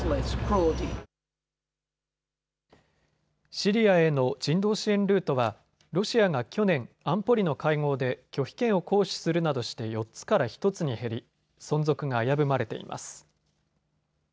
シリアへの人道支援ルートはロシアが去年、安保理の会合で拒否権を行使するなどして４つから１つに減り、存続が危ぶまれています。